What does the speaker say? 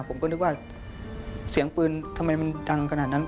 ผมก็นึกว่าเสียงปืนทำไมมันดังขนาดนั้น